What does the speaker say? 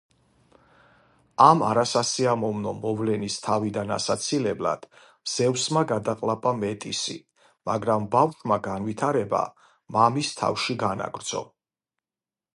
ამ არასასიამოვნო მოვლენის თავიდან ასაცილებლად ზევსმა გადაყლაპა მეტისი, მაგრამ ბავშვმა განვითარება მამის თავში განაგრძო.